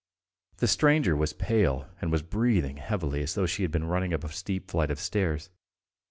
The stranger was pale and was breathing heavily as though she had been running up a steep flight of stairs.